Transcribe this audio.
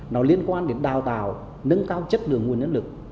nó liên quan đến đào tạo nâng cao chất lượng nguồn nhân lực